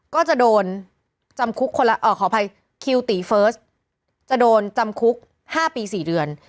ก็จะโดนจำคุกคนละขออภัยคิวตีเฟิร์สจะโดนจำคุก๕ปี๔เดือน